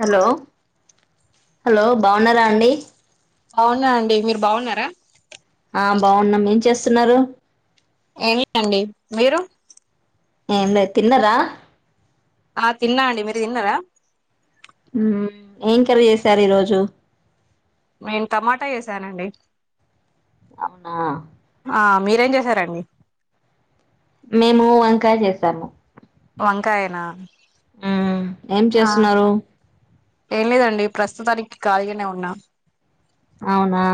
Hello, hello బాగున్నారా అండి? బాగున్నా అండి. మీరు బాగున్నారా? ఆ బాగున్నాం. ఏం చేస్తున్నారు? ఏమిటండీ మీరు ఏంలే తిన్నార? ఆ తిన్నా అండి. మీరు తిన్నారా? ఏం కర్రీ చేసారు ఈరోజు. మేం టమాటా వసానండి అవునా ఆ మీరేం చేశారంండి మేము వంకాయ చేసాము వంకాయనా ఉ ఏం ఆ చేస్తున్నారు ఏం లేదండి ప్రస్తుతానికి ఖాళీగానే ఉన్నా అవునా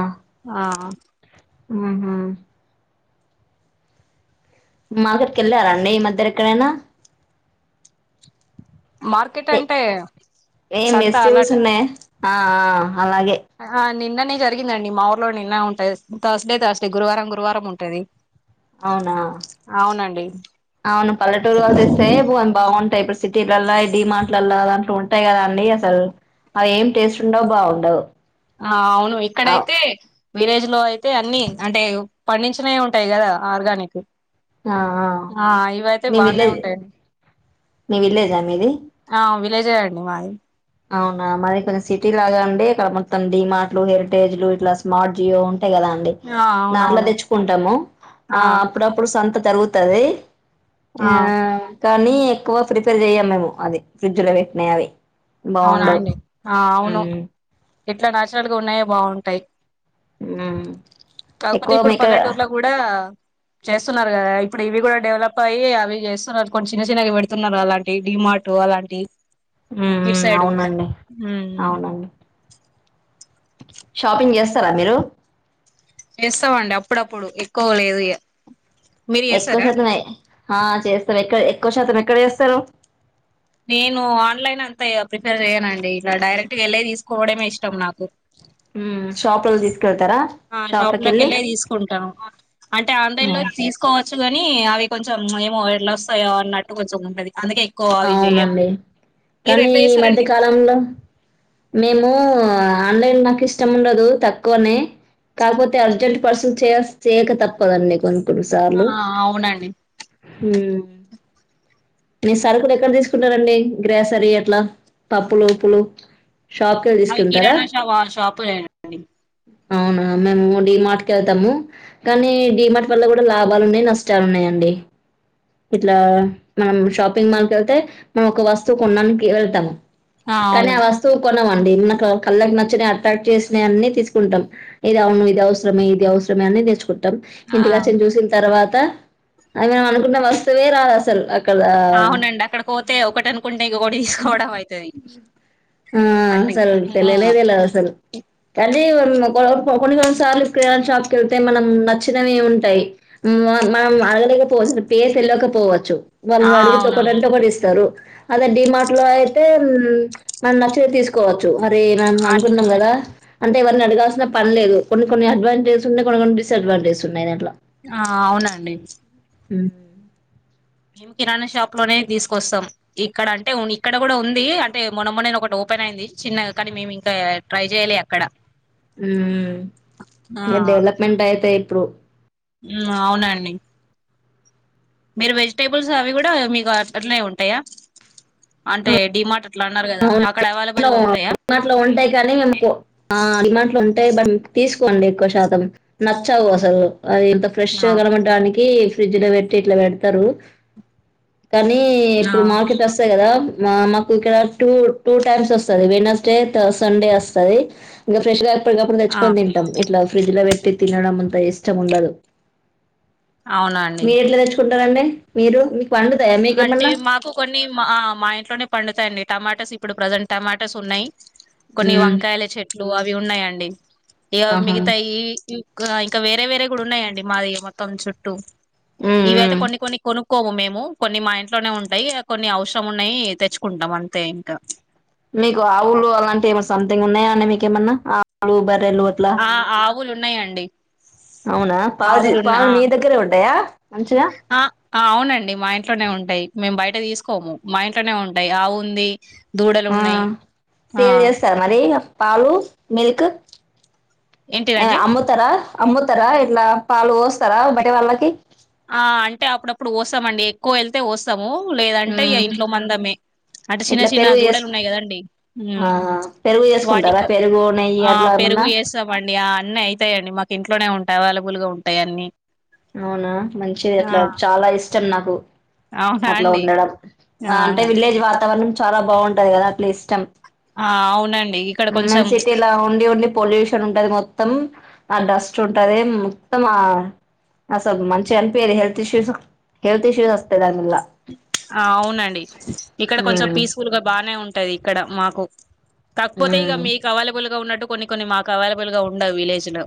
ఆ ఉహు మార్కెట్ కి వెళ్ళారా అండి ఈ మధ్యర ఎక్కడేనా మార్కెట్ ఏ అంటే ఏం సంత మెస్ చూస్ అలాట ఉన్నాయి ఆ ఆ అలాగే ఆ నిన్ననే జరిగిందండి మా ఊర్లో నిన్న ఉంటది థర్స్డే థర్స్డే గురువారం గురువారం ఉంటది అవునా అవునండి అవును పల్లెటూరు తెస్తే వన్ బాగుంటాయి సిటీలలా డిమాార్ట్లలా ఆదాంట్లో ఉంటాయి కదా అండి అసల్ అవి ఏం టేస్ట్ ఉండవు్ బావుండవు ఆ అవును ఇక్కడైతే విలేజ్ లో అయితే అన్నిీ అంటే పండించనే ఉంటాయి కదా ఆర్గానిక్ వి ఆ ఇవయితే మీ బానే విలేజ్ ఉంటాయండి మీ విల్లేజా మీది విలేజ్ అండి మాది అవునా మాది కొంచె సిటీ లాగా అండి ఇక్కడ మొత్తం డిీమార్ట్లు హెరిటేజ్లు ఇట్లా స్మార్ట్ జియో టాయి కదా అండి ఆ దాట్లో అవునవును తెచ్చుకుంటాము ఆ అప్పుడప్పుడు సంత తరుగుతుది ఆ కానీ ఎక్కువ ప్రిపేర్ చెయ్యం మేము అది ఫ్రిడ్జ్ లో పెట్టినా అవి అవునా బాగుండవు అండి ఆ ఉ అవును ఎట్లా నాచురల్ గా ఉన్నాయో బాగుంటాయి మ్మ్ కాకపోతే ఎక్కువ ఇప్పుడు మీక పల్లెటూరులో గూడ చేస్తున్నారు కదా ఇప్పుడు ఇవి కూడా డెవలప్ అయ్యి అవి చేస్తున్నారు కొ చిన్న చిన్నవి పెడుతున్నారు అలాంటి డిమాార్ టు మ్మ్ అలాంటివి మ్మ్ సైడ్ గూడ అవునండి అవునండి షాపింగ్ చేస్తారా మీరు చేస్తావండి అప్పుడప్పుడు ఎక్కువ లేదు ఇగ మీరు ఎక్కువ చేస్తారా శాతమే ఆ చేస్తాం ఎక్కడ ఎక్కువ శాతం ఎక్కడ చేస్తారు నేను ఆన్లైన్ అంతా ఇగ ప్రిఫేర్ చేయనండి ఇలా డైరెక్ట్ వెళ్ళి తీసుకోవడమే ఇష్టం నాకు ఉ షాప్ అల్ది ఆ షాప్ లోకి వెళ్ళి తీసుకుంటా అంటే ఆన్లైన్ లో తీసుకోవచ్చు గాని అవి కొంచెం ఏమో ఎట్లా వస్తాయో అన్నట్టు కొంచెం ఉంటది అందుకే ఎక్కువ అవి చెయ్యను అవునండి మీరు కానీ ఎట్లా ఈ మధ్య చేస్తారండి కాలంలో మేము ఆన్లైన్ నాకు ఇష్టం ఉండదు తక్కువనే కాకపోతే అర్జెంట్ పసు చే చేయక తప్పదండి కొన్ని కొన్ని ఆ సార్లు అవునండి మేస్ సరుకులు ఎక్కడ తీసుకుంటారండి గ్రాసరీ అట్లా పప్పులు ఉప్పులు షాప్ కే వెళి అవి తీసుకుెంటారా కిరాణా షా షాపులేనండి అవునా మేము డి మార్ట్ కె వెళ్తాము కానీ డిమార్ట్ వల్ల కూడా లాభాలు ఉన్నాయి నష్టాలు ఉన్నాయంండి ఏ ఇట్లా మనం షాప్ పింగ్ మాల్ వెళ్తే మనం ఒక కొనడానికి వెళ్తాం కానీ ఆ వస్తువు కొన్ కొనమండి మనకు కళ్ళకి నచ్చ అట్రాక్ట్ చేసిన అన్నిీ తీసుకుంటాం ఇది అవును ఇది అవసరమే ఇది అవసరం అని నేేచుం టం ఆ ఇంటికి వచ్చని చూసిన తర్వాత అనవు మనం అనుకున్న వస్తువే రాదు అసలు అక్కడ అవునండి అక్కడ పోతే ఒకటి అనుకుంటే ఇంకకటి తీసుకోవడం అవుతది ఆ అసలు తెలనేదలలు అసలు కానీ అదే కొన్ని కొన్ని సార్లు స్క్రీన్ అడ్ షాప్స్కి వెళ్తే మనం నచ్చినవిే ఉంటాయి మనం అడగలేకపోవచ్చు పే వెళ్ళకపోవచ్చు ఆ వాళ్ళని అడిగితే అవునవును ఒకటంట పడిస్తారు అద డిమాార్ అట్లో అయితే మన నచ్చితే తీసుకోవచ్చు మరి మనం అన్ అనుకుంటాన్నాం కదా అంటే ఎవరిని అడగాల్సిన పలే లేదు కొన్ని కొన్ని అడ్వాంటేజ్స్ ఉన్నాయి కొన్ని కొన్ని డిస్ అడ్వాంటేజ్స్న్నాయి దట్లో ఆ అవునండి అ మేం కిరాణా షాప్ లోనే తీసుకొస్తాం ఇక్కడ అంటే ఇక్కడ కూడా ఉంది అంటే మొన్నమొన్న ఒకటి ఓపెన్ అయింది చిన్నగా కానీ మేము ఇంకా ట్రై చేయ్యాలి అక్కడ ఆ ఇకా డెవలప్మెంట్ అయితాయి ఇప్పుడు అవునండి మీరు వెజిటేబుల్స్ అవి కూడా మీకు అట్నే ఉంటాయా అంటే డిమాటర్ అవునం డిమాంట్లో ఉంటాయి కానీ మేము డిమాట్లు ఉంటాయి బ తీసుకోండి ఎక్కువ శాతం నచ్చవు అసలు అది ఇంత ఫ్రెష్ ఆ గడమడానికి ఫ్రిడ్జ్ లో పెట్టి ఇట్లా పెడతారు కానీ ఆ ఇప్పుడు మార్కెట్ వస్తాయి కదా మా మాకు కద టూ టూ టైమ్స్ వస్తుంది వెనస్డే సండే వస్తుంది ఇంకా ఫ్రెష్ గా ఎప్పుడుగాప్పుం ఆ తెచ్చుకొని తింటాం ఇట్లా ఫ్రిడ్జ్ లో పెట్టి తినడం అంత ఇష్టం ఉండదు అవునాండి ారండి మీరు మీ అంటే మాకు కొన్ని మా మా ఇంట్లోనే పండుతాయిడి టమాటాస్ ఇప్పుడు ప్రజెంట్ టమాటాస్ ఉన్నాయి కొన్ని హ్మ్. వంకాయల చెట్లు అవి ఉన్నాయండి ఇక ఆహా! మిగతా ఈ ఇంకా వేరే వేరే కూడా ఉన్నాయండి మాది మొత్తం చుట్టూ హ్మ్. ఇవయితే హ్మ్. కొన్ని కొన్ని కొను కోము మేము కొన్ని మా ఇంట్లోనే ఉంటాయి కొన్ని అవసరం ఉన్నాయి తెచ్చుకుంటాం అంతే ఇంకా మీకు ఆవులు అలాంటివి ఏమో సంథింగ్ ఉన్నాయా అండి మీకుేమన్నా ఆవులు బర్రెలు అట్లా బలు ఉన్నాయండి అవునా పా ఆవులున్న పాలు ఆ మీ దగ్గరే ఉంటాయా మంచిగా ఆ అవునండి మా ఇంట్లోనే ఉంటాయి మేము బయట తీసుకోము మా ఇంట్లోనే ఉంటాయి ఆ ఉంది దూడలు ఆ ఉన్నాయి ఆ సేవ్ చేస్తారు మరి పాలు మిల్క్ ఏంటిదండి అమ్ముతర అమ్ముతారా ఇట్లా పాలు పోస్తారా బట వాళ్ళకి ఆ అంటే అప్పుడప్పుడు పోస్తామండి ఎక్కువ వెళ్తే వస్తాము లేదంటే ఉమ్ ఇంట్లో మందమే అంటే చిన్న ఇట్లా చిన్న పెరుగు దూడలు చేసుకు ఉన్నాయి కదండి ఆ పెరుగు చేసుకుంటారా వాటికి పెరుగు నెయ్యి ఆ అట్లా పే పెరుగు ఏమన్నా చేస్తామండి ఆ అన్నీ అయితాయిడి మాకు ఇంట్లోనే ఉంటాయి అవైలబుల్ గా ఉంటాయి అన్నీ అవునా మంచిది ఆ అట్లా చాలా ఇష్టం నాకు అవునా అట్లా అండి ఉండడం ఆ అంటే విలేజ్ వాతావరణం చాలా బాగుంటది కదా అట్లా ఇష్టం ఆ అవును మ్యామ్ సిటీలా ఓన్లీ ఓన్లీ పొల్యూషన్ ఉంటంది మొత్తం ఆ డస్ట్ ంటది మొత్తం అసలు మంచిగా అనిపయది హెల్త్ ఇష్యూస్ హెల్త్ ఇష్యూస్ దానివల్ల ఆ అవునండి ఇక్కడ కొంచెం ఉమ్ పీస్ఫుల్గా బానే ఉంటది ఇక్కడ మాకు కాకపోతే ఇక ఉమ్ మీకు అవైలబుల్ గా ఉన్నట్టు కొన్ని కొన్ని మాకు అవైలబుల్ గా ఉండవు విలేజ్ లో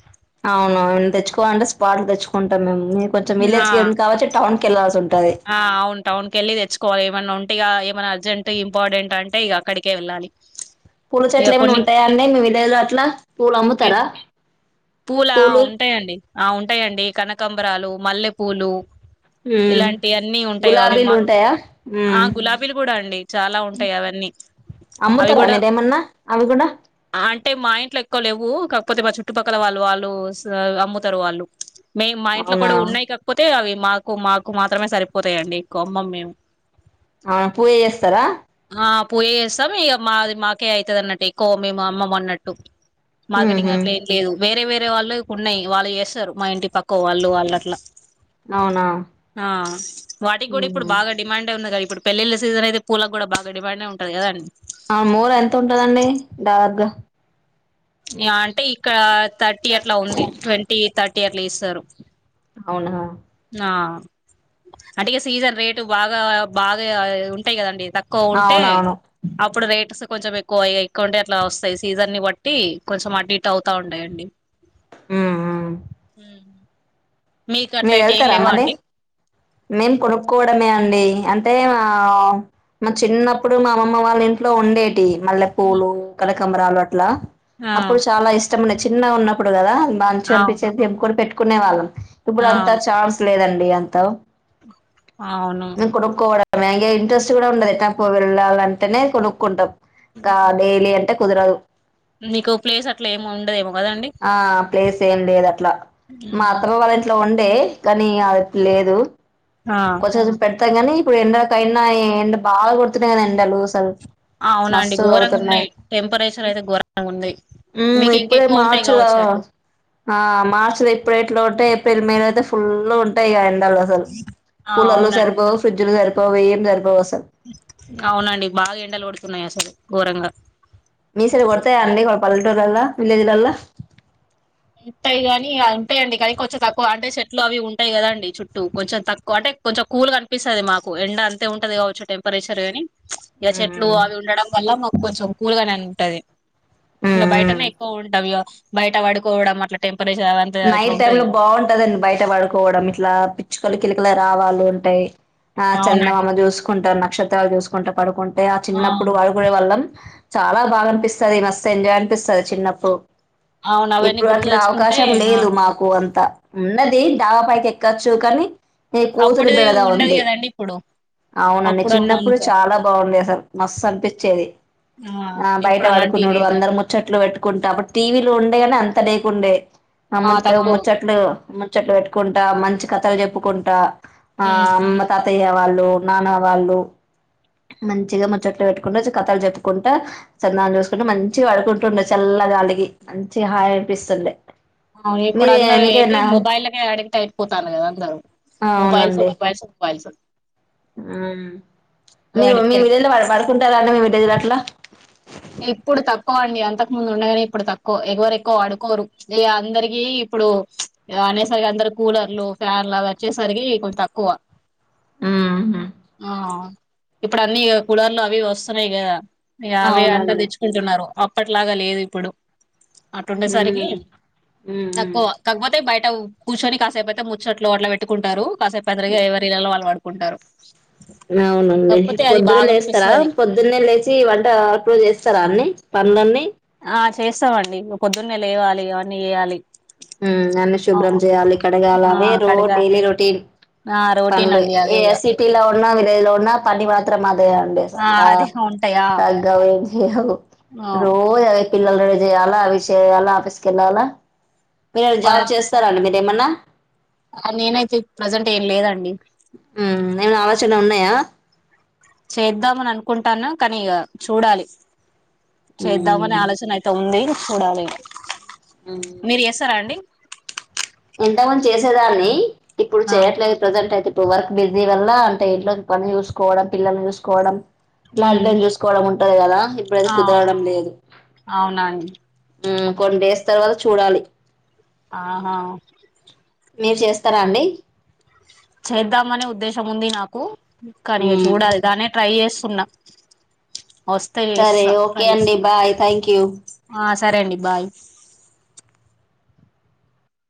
అవును తెచ్చుకోవాలంటే స్పాట్లు తెచ్చుకుంటాం మేము కొంచెం ఆ విలేజ్ క కావచ్చు టౌన్ కిళ్ాల్సి ఉంటుంది ఆ అవును టౌన్ కెళ్ళి తెచ్చుకోవాలి ఇవన్ ఒంటిగా మన అర్జెంట్ ఇంపార్టెంట్ అంటే ఇక అక్కడికే వెళ్ళాలి పూలలు ఇగ చెట్లు ఏమన్న కొన్ని ఉంటాయా అండి మ ఇదే అట్ల పూలు అమ్ముతారా పూలా పూలు ఉంటాయండి ఆ ఉంటాయండి కనకంబరాలు మల్లెపూలు ఉమ్ ఇలాంటి అన్నీ ఉంటాయి అవి గులాబీలు మా ఉంటాయా ఆ ఉమ్ గులాబీలు కూడా అండి చాలా ఉంటాయి అవి పన్నన్ని అవి అమ్ముతారా కూడా మీరేమన్నా అవి కూడా అంటే మా ఇంట్లో ఎక్కువ లేవు కాకపోతే మ చు క్కల వాళ్ళు వాళ్ళు అమ్ముతారు వాళ్ళు మేము మా ఇంట్లో అవునా కూడా ఉన్నాయి కాకపోతే అవి మా కో మాకు మాత్రమే సరిపోతాయండి కోంబం మేము ఆ పూయ చేస్తరా ఆ పూయ చేస్తాం ఇక మాది మాకే ఐతది అన్నట్టు ఎక్కువ మేము అమ్మమన్నట్టు మార్కెటింగ్ ఉహు అట్ల ఏం లేదు వేరే వేరే వాళ్ళు ఉన్నాయి వాళ్ళు చేస్తారు మా ఇంటి పక్క వాళ్ళు వాళ్ళట్ల అవునా ఆ వాటికి కూడా ఇప్పుడు మ్మ్ బాగా డిమాండ్ ఏ ఉంది కదా ఇప్పుడు పెళ్ళిళ్ళ సీజన్ అయితే పూలకు కూడా బాగా డిమాండ్ ఏ ఉంటది కదండి ఆ మూర ఎంత ఉంటందండి దాదపుగా ఇగ అంటే ఇక్కడ థర్టీ అట్ల ఉంది ట్వంటీ థర్టీ అట్ల ఇస్తరు అవునా ఆ అంటే ఇగ సీజన్ రేటు బాగా బాగా ఉంటాయి కదండి తక్కువ ఉంటే అవునవును అప్పుడు రేట్ సు కొంచెం ఎక్కువ ఉంటే అట్లా వస్తాయి సీజన్ని బట్టి కొంచం అట్ ఇట్ అవుతా ఉంటాయండి మ్మ్ మ్మ్ ఊ మీరు వెళ్తరా మళ్ళి మేము కొనుక్కోవడమే అండి అంటే ఆ మా చిన్నప్పుడు మా అమ్మమ వాళ్ళ ఇంట్లో ఉండేటి మల్లె పూలు కనకంబరాలు అట్లా ఆ అప్పుడు చాలా ఇష్టం ఉండే చిన్నగున్నప్పుడు కదా మంచి అనిపించే అవును దెంపుకొని పెట్టుకునే వాళ్ళం ఇప్పుడు అంతా అవును ఛాన్స్ లేదండి అంత అవును మ్యాగె ఇంట్రెస్ట్ కూడా ఉండదు ఎటకో వెళ్ళాలంటేనే కొనుక్కుంటాం ఇంకా డైలీ అంటే కుదరదు మీకు ప్లేస్ అట్లా ఏమి ఉండదేమో కదండి ఆ ప్లేస్ ఏం లేద్ అట్లా మా హ్మ్. అత్తమ్మ వాళ్ళ ఇంట్లో ఉండే కానీ అది లేదు ఆ కొంచం పెట్ త గాని ఇప్పుడు ఎండకైనా ఎండ బాగా కొడుతున్నాయి కదా ఎండలు అసలు అవునండి మస్తు ఘోరంగా కొడుతున్నాయి ఉన్నాయి టెంపరేచర్ అయితే ఘోరంగా ఉన్నయ్ ఊ ఇప్పుడే మార్చి లో ఆ మార్చి లో ఇప్పుడే ఇట్ల ఉంటే ఏప్రిల్ మే లో ఫుల్ ఉంటాయి ఇగ ఎండలు అసలు ఆ కూలర్లు అవునండి సరిపోవు ఫ్రిడ్జ్లు సరిపోవు ఏం సరిపోవు అసలు అవునండి బాగా ఎండలు కొడుతున్నాయి అసలు ఘోరంగా పల్లెటూర్లల విలేజ్లలా ఉంటాయి కాని అ ఉంటాయిండి కానీ కొంచెం తక్కువ అంటే చెట్లు అవి ఉంటాయి కద అండి చుట్టూ కొంచెం తక్కువ అంటే కొంచం కూల్ కనిపిస్తది మాకు ఎండ అంతే ఉంటది కావచ్చు టెంపరేచర్ కాని ఇక చెట్లు ఉమ్ అవి ఉండడం వల్ల మాకు కొంచెం కూలుగనే ఉంటది ఉమ్ ఇంకా బయటనే ఉమ్ ఎక్కువ ఉండవిగ బయట పడుకోవడం అట్లా టైం నైట్ టైం లో బాగుంటదండి బయట పడుకోవడం ఇట్లా పిచ్చుకలు కిలకలు రావాలుంటయ్ ఆ అవునండి చందమామ చూసుకుంట నక్షత్రాలు చూసుకుంటా పడుకుంటే ఆ చిన్నప్పుడు పడుకునే వాళ్లం చాలా బాగా అనిపిస్తది మస్తు ఎంజాయ్ అనిపిస్తది చిన్నప్పుడు అవునవన్నీ గుర్తు తెచ్చుకుంటే టం ఆ లేదు మాకు అంత ఉన్నది డావా పైకి ఎక్కచ్చు కానీ ఏ కూతురి అప్పుడుది బిడద ఉండదు ఉంది కదండి ఇప్పుడు అవునండి చిన్నప్పుడు అప్పుడన్నంత చాలా బాగుండేది అసలు మస్తు అనిపిచేది ఆ బయట ఇప్పుడు అలాంటివి పడుకునుడు లేవు అందరు ముచ్చట్లు పెట్టుకుంట అప్పుడు టీవీ లు ఉండేగాని అంతలేదు ఉండే ఆ ము ముచ్చట్లు ముచ్చట్లు పెట్టుకుంటా మంచి కథలు చెప్పుకుంటా ఆ ఉమ్ అమ్మ తాతయ్య వాళ్ళు నాన్న వాళ్ళు మంచిగా ముచ్చోట్లు పెట్టుకుంట కథలు చెప్పుకుంటా చందమాను చూసుకుంట మంచిగ వడుకుంటుండే చల్ ల గాలికి మంచి హాయి అనిపిస్తుండే అవును ఇప్పుడు మీరే అందరూ ఏంటి మీకేమన్నా మొబైల కే అడిట్ అయిపోతాండ్రు కదా అందరు మొబైల్సు మొబైల్సు మొబైల్సు ఊ మీరు అడిక్ట్ మీ మిద అయిపోతారు మీద పడుకుంటారాండి మీ మిద మీద అట్లా ఇప్పుడు తక్కువ అండి అంతకు ముందు ఉండే గాని ఇప్పుడు తక్కువ ఎవరు ఎక్కువ పడుకోరు ఇగ అందరికి ఇప్పుడు ప్చ్ అనేసరికి అందరు కూలర్లు ఫ్యాన్లు అవి వచ్చేసరికి ఈ కొంచం తక్కువ అవునండి మ్మ్ ఆ ఇప్పుడు అన్ని ఇగ కులార్లు అవి ఇవి వస్తున్నాయి కదా అవే అంతా అవునండి. తెచ్చుకుంటున్నారు అప్పట్లాగా లేదు ఇప్పుడు. అట్లా ఉండేసరికి మ్మ్ మ్మ్ తక్కువ కాకపోతే బయట కూర్చొని కాసేపు అయితే ముచ్చట్లు అట్లా పెట్టుకుంటారు కాసేపు అ త ఎవరిళ్లలో వాళ్ళ పడుకుంటారు. అవునండి కాకపోతే అది పొద్దున్న లేస్తారా? బాగనిపిస్తది పొద్దున్న లేచి వంట అప్పుడు చేస్త ఇస్తారా అండి పనులన్నీ ఆ చేస్తామండి పొద్దున్నే లేవాలి అవన్నీ చేయాలి అన్నీ ఆ శుభ్రం చేయాలి కడగాల ఆ అవే రో కడిగా డైలీ రొటీన్. ఆ రోటీన్ పనులు అండి ఏ అదే ఇగ సిటీలో ఉన్నా, విలేజ్ లో ఉన్నా పని మాత్రం అదే అండి ఆ అదే ఉంటాయా తగ్గవు ఏం చేయవు ఆ రోజూ అవే. పిల్లలు రెడీ చేయాల అవి చేయాల ఆఫీస్ కి వెళ్ళాల మీరు జాబ్ చేస్తారండి మీరు. ఏమన్నా ఆ నేనైతే ప్రజెంట్ ఏం లేదండి. ఆయా [unintelligible] చేద్దామని అనుకుంటాన్నా కానీ ఇక చూడాలి. చేద్దామనే ఉమ్ ఆలోచన అయితే ఉంది చూడాలి. ఇగ మీరు ఉమ్ చేస్తారా అండి? ఎంత మంది చేసేదాన్ని. ఇప్పుడు ఆ చేయట్లేదు ప్రెజెంట్ అయితే. ఇప్పుడు వర్క్ బిజీ వల్ల అంటే ఇంట్లో పని చూసుకోవడం పిల్లలని చూసుకోవడం మా ఉమ్ హస్బెండ్ ను చూసుకోవడం ఉంటది కదా ఇప్పుడు అది ఆ కుదరడం లేదు అవునండి కొన్ని డేస్ తర్వాత చూడాలి ఆహా మీరు చేస్తారా అండి? చేద్దాం అనే ఉద్దేశం ఉంది నాకు. కానీ, మ్మ్ చూడాలి దాన్నే ట్రై చేస్తున్నా. వస్తే సరే ఓకే అండి బాయ్ థ్యాంక్ యూ సరే అండి బాయ్